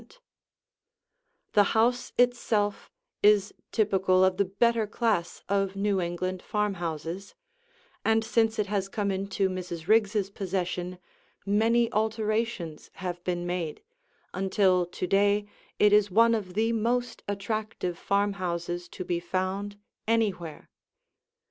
[Illustration: Mrs. Kate Douglas Wiggin's Summer House] The house itself is typical of the better class of New England farmhouses, and since it has come into Mrs. Riggs' possession, many alterations have been made, until to day it is one of the most attractive farmhouses to be found anywhere.